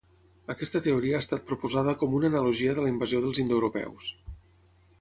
Aquesta teoria ha estat proposada com una analogia de la invasió dels indoeuropeus.